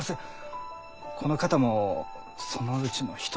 この方もそのうちの一人です。